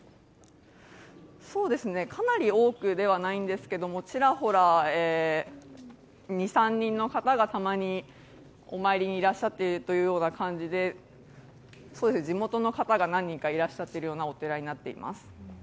かなり多くではないんですけれども、ちらほら２３人の方がたまにお参りにいらっしゃっているという感じで、地元の方が何人かいらっしゃるようなお寺になっています。